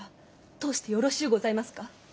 通してよろしうございますか？